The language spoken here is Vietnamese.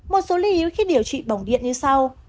một số lý ưu khi điều trị bỏng điện như sau